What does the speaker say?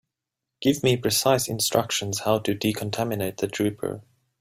Give me precise instructions how to decontaminate the trooper.